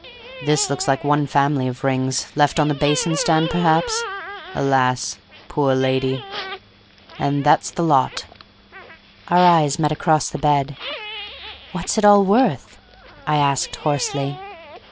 This looks like one family of rings—left on the basin stand, perhaps—alas, poor lady! And that's the lot." Our eyes met across the bed. "What's it all worth?" I asked, hoarsely.